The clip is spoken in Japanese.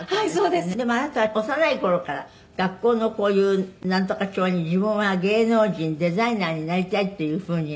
「でもあなたは幼い頃から学校のこういうナントカ帳に自分は芸能人デザイナーになりたいっていう風に」